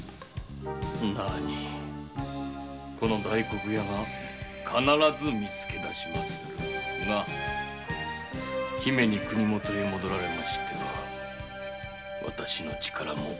何この大黒屋が必ず見つけ出しまするが姫に国元へ戻られましては私の力も及びませぬ。